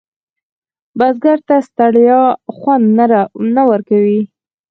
بزګر ته ستړیا خوند نه ورکوي